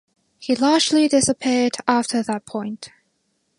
He largely disappeared after that point.